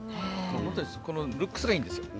本当にこのルックスがいいんですよ。